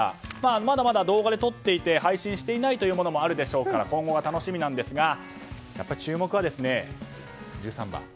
まだまだ動画で撮っていて配信していないものもあるでしょうから今後が楽しみなんですが注目は１３番。